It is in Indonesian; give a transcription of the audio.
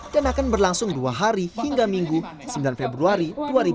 dan akan berlangsung dua hari hingga minggu sembilan februari dua ribu dua puluh